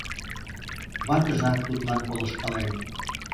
Ватыжат тудлан полышкален.